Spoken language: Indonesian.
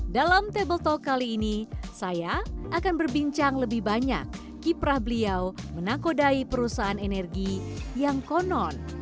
dalam table talk kali ini saya akan berbincang lebih banyak kiprah beliau menakodai perusahaan energi yang konon